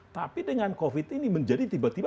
tapi dengan covid ini menjadi tiba tiba